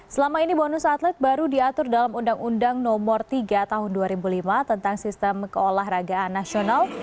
selama ini bonus atlet baru diatur dalam undang undang nomor tiga tahun dua ribu lima tentang sistem keolahragaan nasional